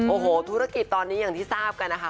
โอ้โหธุรกิจตอนนี้อย่างที่ทราบกันนะคะ